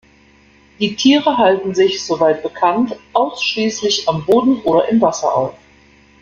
Die Tiere halten sich, soweit bekannt, ausschließlich am Boden oder im Wasser auf.